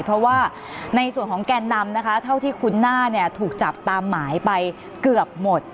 เพราะว่าในส่วนของแกนนำนะคะเท่าที่คุ้นหน้าเนี่ยถูกจับตามหมายไปเกือบหมด